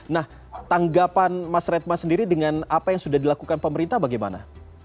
nah tanggapan mas retma sendiri dengan apa yang sudah dilakukan pemerintah bagaimana